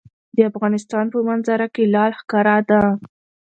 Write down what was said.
د افغانستان په منظره کې لعل ښکاره ده.